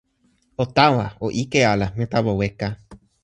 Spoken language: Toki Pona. o tawa. o ike ala. mi tawa weka.